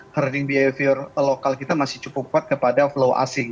hearding behavior lokal kita masih cukup kuat kepada flow asing